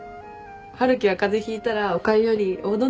春樹は風邪ひいたらおかゆよりおうどんだもんね。